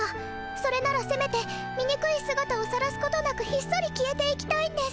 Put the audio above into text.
それならせめてみにくいすがたをさらすことなくひっそり消えていきたいんです。